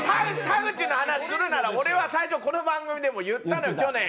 田口の話するなら俺は最初この番組でも言ったのよ去年。